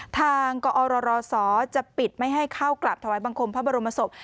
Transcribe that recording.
กอรศจะปิดไม่ให้เข้ากราบถวายบังคมพระบรมศพ